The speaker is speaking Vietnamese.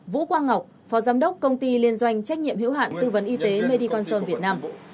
vũ quang ngọc phó giám đốc công ty liên doanh trách nhiệm hiệu hạn tư vấn y tế mediconsol việt nam